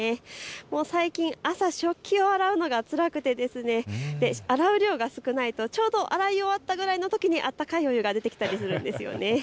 最近、朝食器を洗うのがつらくて洗う量が少ないとちょうど洗い終わったぐらいに温かいお湯が出てきたりするんですよね。